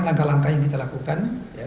langkah langkah yang kita lakukan